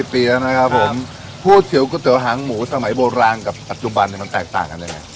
ปีแล้วนะครับผมพูดถึงก๋วหางหมูสมัยโบราณกับปัจจุบันเนี่ยมันแตกต่างกันยังไง